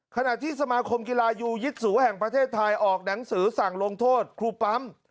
ขณะที่สมาคมกีฬายูยิตสูแห่งประเทศไทยออกหนังสือสั่งลงโทษครูปั๊ม